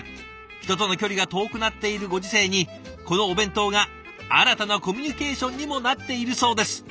人との距離が遠くなっているご時世にこのお弁当が新たなコミュニケーションにもなっているそうです。